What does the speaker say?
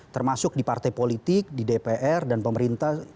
termasuk di partai politik di dpr dan pemerintah